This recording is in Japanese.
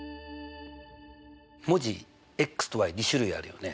文字と２種類あるよね。